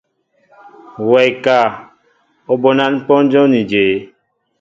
Wɛ ka, O bónan póndó ni jě?